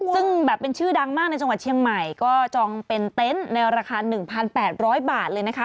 ซึ่งแบบเป็นชื่อดังมากในจังหวัดเชียงใหม่ก็จองเป็นเต็นต์ในราคา๑๘๐๐บาทเลยนะคะ